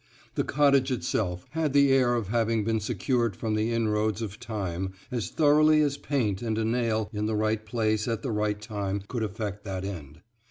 The cottage itself had the air of having been secured from the inroads of time as thoroughly as paint and a nail in the right place at the right time could effect that end.